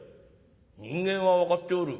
「人間は分かっておる。